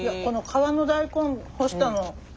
この皮の大根干したの。